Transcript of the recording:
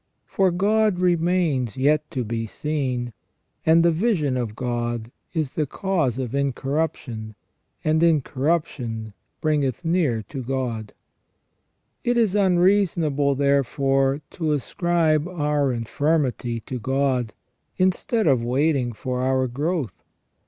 For God remains yet to be seen, and the vision of God is the Cause of incorruption, and " incorruption bringeth near to God ". It is unreasonable, therefore, to ascribe our infirmity to God, 272 WHY MAN WAS NOT CREATED PERFECT instead of waiting for our growth.